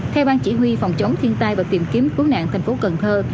theo ban chỉ huy phòng chống thiên tai và tìm kiếm cứu nạn thành phố cần thơ